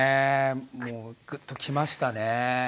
もうグッときましたねえ。